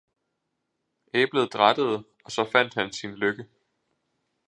Æblet drattede, og så fandt han sin lykke.